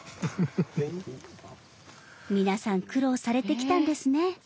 皆さん苦労されてきたんですね。